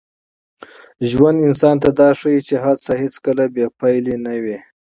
ژوند انسان ته دا ښيي چي هڅه هېڅکله بې پایلې نه وي.